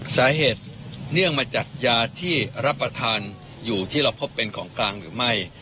เนื่องมาจากยาที่รับประทานอยู่ที่เราพบเป็นของกลางหรือไม่